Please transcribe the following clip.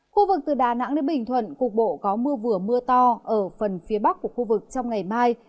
khu vực từ đà nẵng đến bình thuận cục bộ có mưa vừa mưa to ở phần phía bắc của khu vực trong ngày mai